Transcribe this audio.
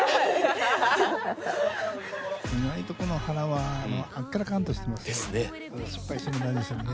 意外とこの原はあっけらかんとしてますね。ですね。